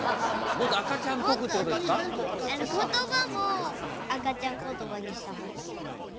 もっとことばも赤ちゃんことばにした方がいいと思った。